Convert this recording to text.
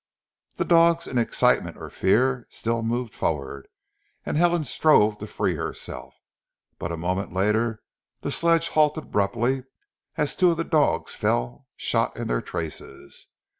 The dogs, in excitement or fear, still moved forward, and Helen strove to free herself, but a moment later the sledge halted abruptly as two of the dogs fell, shot in their traces.